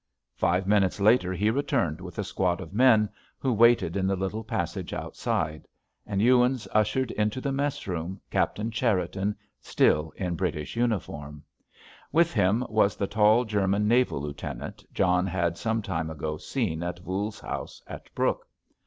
Five minutes later he returned with a squad of men who waited in the little passage outside. And Ewins ushered into the mess room Captain Cherriton, still in British uniform. With him was the tall German naval lieutenant John had some time ago seen at Voules's house at Brooke.